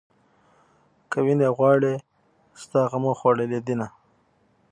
که وينې غواړې ستا غمو خوړلې دينه